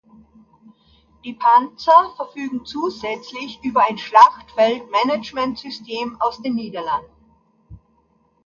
Die Panzer verfügen zusätzlich über ein Schlachtfeldmanagementsystem aus den Niederlanden.